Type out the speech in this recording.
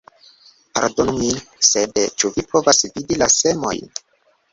Pardonu min, sed, ĉu vi povas vidi la semojn?